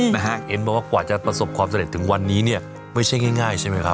นะฮะเห็นบอกว่ากว่าจะประสบความสำเร็จถึงวันนี้เนี่ยไม่ใช่ง่ายใช่ไหมครับ